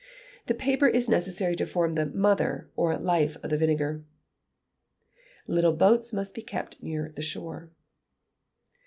The paper is necessary to form the "mother," or life of the vinegar. [LITTLE BOATS MUST KEEP NEAR THE SHORE.